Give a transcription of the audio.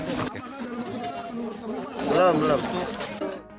belum belum pernah ada tentu